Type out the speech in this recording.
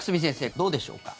どうでしょうか。